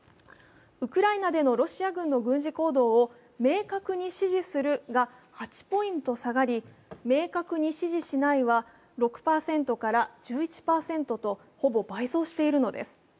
ウクライナでのロシア軍の軍事行動を明確に支持するが８ポイント下がり明確に指示しないは６％から１１％と、ほぼ倍増しているのです。